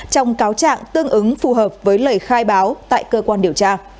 trong cáo trạng tương ứng phù hợp với lời khai báo tại cơ quan điều tra